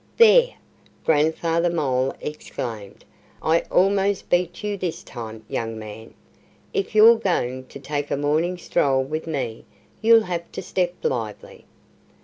"There!" Grandfather Mole exclaimed. "I almost beat you this time, young man! If you're going to take a morning stroll with me you'll have to step lively."